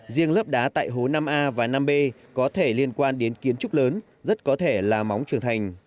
riêng lớp đá tại hố năm a và năm b có thể liên quan đến kiến trúc lớn rất có thể là móng trưởng thành